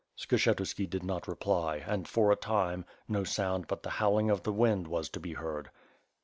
Skshetuski did not reply and, for a time, no sound but the howling of the wind was to be heard.